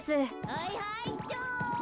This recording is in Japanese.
はいはいっと。